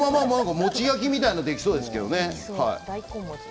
もち焼きみたいなのもできそうですけどね。